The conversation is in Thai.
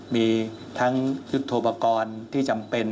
มีทั้งยุทธโปรกรณ์ที่จำเป็น